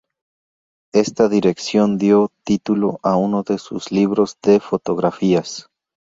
Esta dirección dio título a uno de sus libros de fotografías.